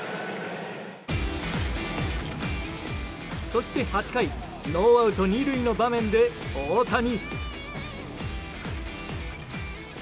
そして８回ノーアウト２塁の場面で大谷。